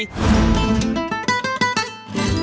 โงเหงหมูสเต็กท่าดินแดงตำนานความอร่อยกว่าหกสิบปี